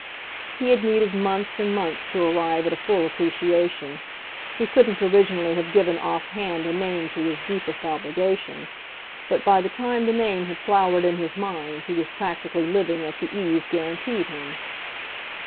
He had needed months and months to arrive at a full appreciation he couldn't originally have given offhand a name to his deepest obligation; but by the time the name had flowered in his mind he was practically living at the ease guaranteed him.